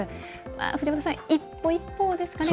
藤本さん、一歩一歩ですかね。